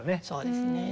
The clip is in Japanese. そうですね。